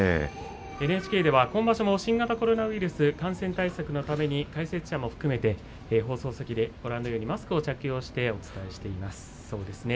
ＮＨＫでは今場所も新型コロナウイルス感染対策のために解説者も含めて放送席でご覧のようにマスクを着用してお伝えしています。